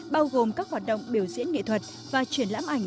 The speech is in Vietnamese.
bao gồm các hoạt động biểu diễn nghệ thuật và triển lãm ảnh